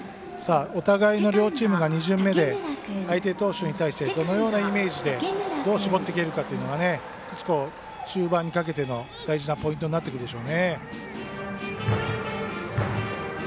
お互いの両チームが２巡目で相手投手に対してどのようなイメージでどう絞っていけるかというのが中盤にかけての大事なポイントになってくるでしょうね。